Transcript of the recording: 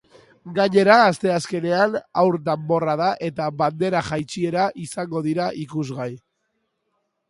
Gainera, asteazkenean haur danborrada eta bandera jaitsiera izango dira ikusgai.